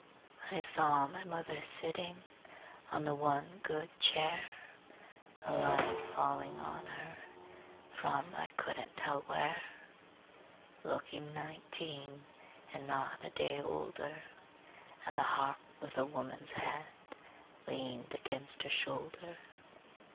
I saw my mother sitting On the one good chair, A light falling on her From I couldn't tell where, Looking nineteen, And not a day older, And the harp with a woman's head Leaned against her shoulder.